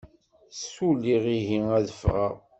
Ssuliɣ, ihi ad ffɣeɣ.